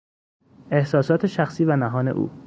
احساسات شخصی و نهان او